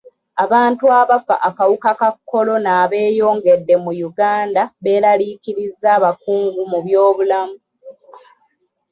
Abantu abafa akawuka ka kolona abeeyongedde mu Uganda beeraliikiriza abakungu mu byobulamu.